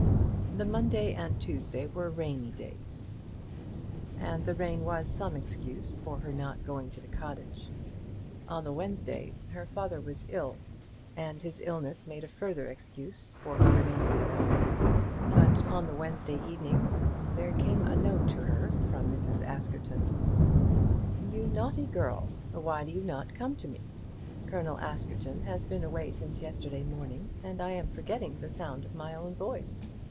The Monday and Tuesday were rainy days, and the rain was some excuse for her not going to the cottage. On the Wednesday her father was ill, and his illness made a further excuse for her remaining at home. But on the Wednesday evening there came a note to her from Mrs. Askerton. "You naughty girl, why do you not come to me? Colonel Askerton has been away since yesterday morning, and I am forgetting the sound of my own voice.